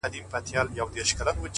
دى خو بېله تانه كيسې نه كوي-